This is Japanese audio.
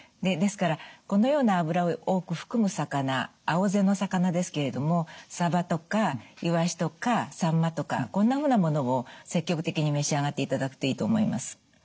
ですからこのような脂を多く含む魚青背の魚ですけれどもさばとかいわしとかさんまとかこんなふうなものを積極的に召し上がっていただくといいと思います。